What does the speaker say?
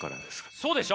そうでしょ？